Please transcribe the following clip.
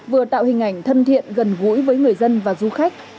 vừa tạo hình ảnh thân thiện gần gũi với người dân và du khách